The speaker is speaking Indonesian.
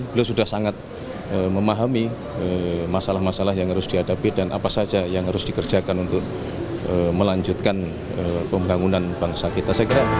beliau sudah sangat memahami masalah masalah yang harus dihadapi dan apa saja yang harus dikerjakan untuk melanjutkan pembangunan bangsa kita